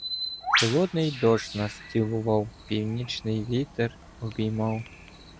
Холодний дощ нас цілував, Північний вітер обіймав.